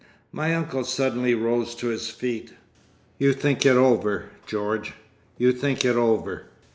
My uncle suddenly rose to his feet. "You think it over, George. You think it over!